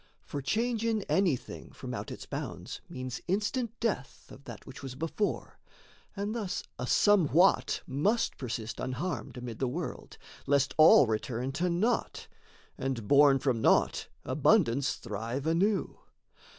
For change in anything from out its bounds Means instant death of that which was before; And thus a somewhat must persist unharmed Amid the world, lest all return to naught, And, born from naught, abundance thrive anew.